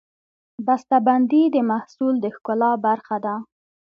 بستهبندي د محصول د ښکلا برخه ده.